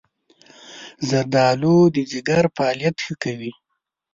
زردآلو د ځيګر فعالیت ښه کوي.